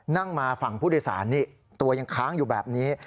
นั่งมาฝั่งผู้โดยสารนี่ตัวยังค้างอยู่แบบนี้